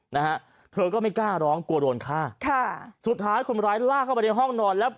นะฮะเธอก็ไม่กล้าร้องกลัวโดนฆ่าค่ะสุดท้ายคนร้ายลากเข้าไปในห้องนอนแล้ว